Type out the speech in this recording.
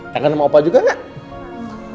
tangan sama opa juga nggak